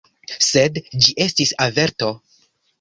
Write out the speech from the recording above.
Sed ĝi estis averto.